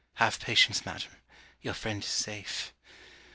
Have patience, madam. Your friend is safe.